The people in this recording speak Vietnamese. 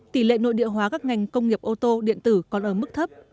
tỷ lệ nội địa hóa các ngành công nghiệp ô tô điện tử còn ở mức thấp